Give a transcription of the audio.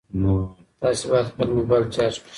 تاسي باید خپل موبایل چارج کړئ.